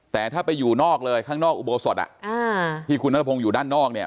แต่ถ้าไปอยู่นอกเลยข้างนอกอุโบสถที่คุณนัทพงศ์อยู่ด้านนอกเนี่ย